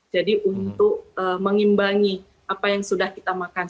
jadi untuk mengimbangi apa yang sudah kita makan